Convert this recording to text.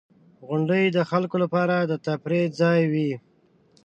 • غونډۍ د خلکو لپاره د تفریح ځای وي.